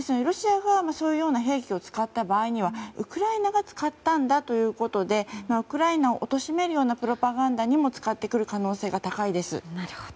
ロシアがそういうような兵器を使った場合にはウクライナが使ったんだということでウクライナを貶めるようなプロパガンダにも使ってくる可能性が高いです。